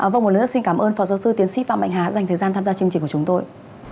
vâng một lần nữa xin cảm ơn phó giáo sư tiến sĩ phạm mạnh hà dành thời gian tham gia chương trình của chúng tôi